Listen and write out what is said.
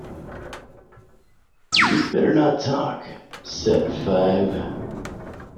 ‘You’d better not talk!’ said Five.